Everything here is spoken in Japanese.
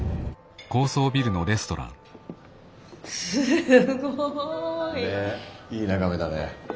すごい。ねえいい眺めだね。